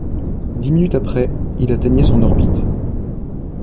Dix minutes après, il atteignait son orbite.